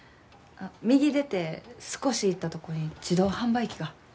右出て少し行ったところに自動販売機が。